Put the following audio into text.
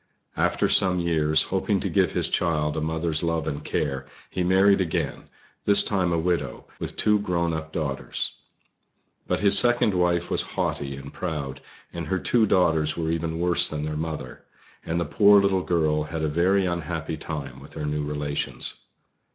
After some years, hoping to give his child a mother's love and care, he married again, this time a widow, with two grown up daughters. But his second wife was haughty and proud, and her two daughters were even worse than their mother; and the poor little girl had a very unhappy time with her new relations.